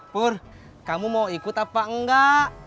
pur kamu mau ikut apa enggak